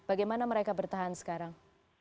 bagaimana mereka bertahan sekarang